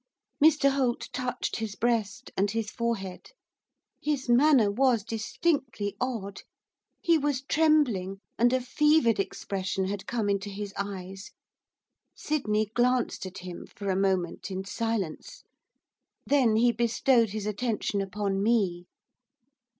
Mr Holt touched his breast, and his forehead. His manner was distinctly odd. He was trembling, and a fevered expression had come into his eyes. Sydney glanced at him, for a moment, in silence. Then he bestowed his attention upon me.